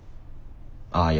ああいや